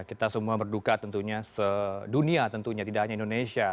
kita semua berduka tentunya sedunia tentunya tidak hanya indonesia